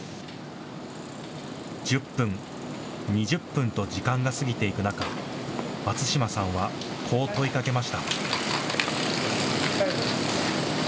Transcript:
１０分、２０分と時間が過ぎていく中、松島さんは、こう問いかけました。